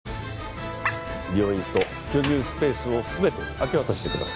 病院と居住スペースを全て明け渡してください。